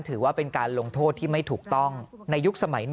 ถือว่าเป็นการลงโทษที่ไม่ถูกต้องในยุคสมัย๑